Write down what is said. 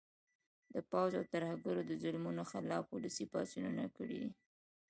د پوځ او ترهګرو د ظلمونو خلاف ولسي پاڅونونه کړي دي